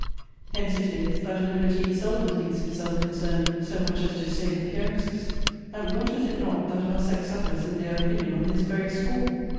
Hence it is, that a libertine seldom thinks himself concerned so much as to save appearances: And what is it not that our sex suffers in their opinion on this very score?